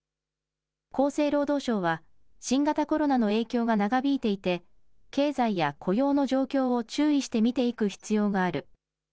厚生労働省は新型コロナの影響が長引いていて、経済や雇用の状況を注意して見ていく必要がある。